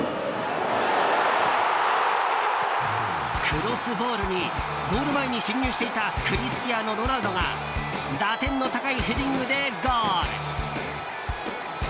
クロスボールにゴール前に進入していたクリスティアーノ・ロナウドが打点の高いヘディングでゴール。